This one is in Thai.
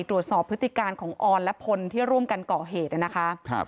พฤติการของออนและพลที่ร่วมกันก่อเหตุนะคะ